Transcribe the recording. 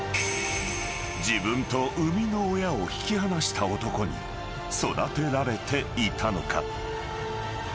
［自分と生みの親を引き離した男に育てられていたのか？］